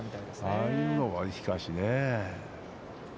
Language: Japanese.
ああいうのが、しかしね。